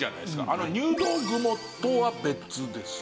あの入道雲とは別ですか？